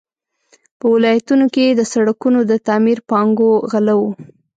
په ولایتونو کې د سړکونو د تعمیر پانګو غله وو.